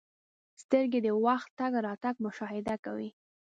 • سترګې د وخت تګ راتګ مشاهده کوي.